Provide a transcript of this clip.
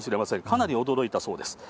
かなり驚いたそうです。